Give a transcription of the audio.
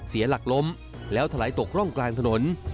เสียหลักล้มแล้วถลายตกร่องกลางถนน